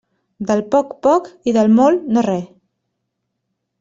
Del poc, poc, i del molt, no res.